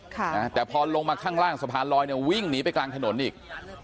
แต่พอลงมาข้างล่างสะพานลอยเนี่ยวิ่งหนีไปกลางถนนอีก